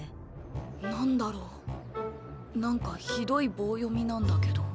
なんだろうなんかひどい棒読みなんだけど。